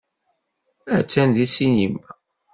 Attan deg ssinima.